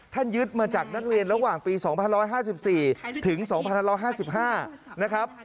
ยึดมาจากนักเรียนระหว่างปี๒๕๕๔ถึง๒๕๕นะครับ